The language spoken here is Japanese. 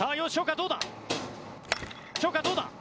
どうだ？